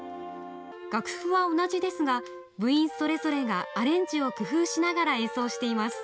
楽譜は同じですが部員それぞれがアレンジを工夫しながら演奏しています。